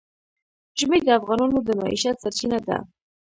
ژمی د افغانانو د معیشت سرچینه ده.